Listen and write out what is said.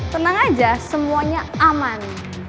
tenang aja semuanya aman